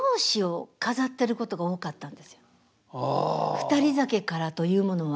「ふたり酒」からというものは。